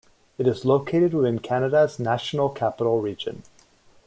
It is located within Canada's National Capital Region.